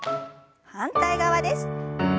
反対側です。